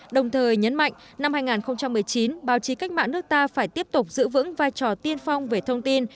đồng thời nhấn mạnh năm hai nghìn một mươi chín báo chí cách mạng nước ta phải tiếp tục giữ vững vai trò tiên phong về thông tin